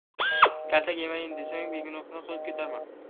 — Kaltak yemayin desang, begunohga qo‘l ko‘tarma.